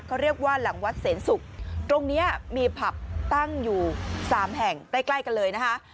เขาเรียกว่าหลังวัดเศรษฐ์สุขตรงเนี่ยมีผับตั้งอยู่๓แห่งใกล้กันเลยนะฮะ